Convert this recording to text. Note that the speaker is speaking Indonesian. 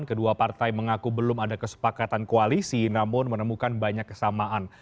kedua partai mengaku belum ada kesepakatan koalisi namun menemukan banyak kesamaan